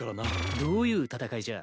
どういう戦いじゃ。